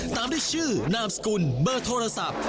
ตามด้วยชื่อนามสกุลเบอร์โทรศัพท์